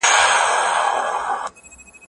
زه مخکي سبزیجات جمع کړي وو!.